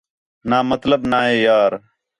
نہ مطلب نہ ہے یار